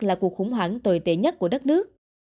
là cuộc khủng hoảng tồi tệ nhất của đất nước